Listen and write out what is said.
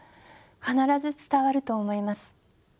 必ず伝わると思います。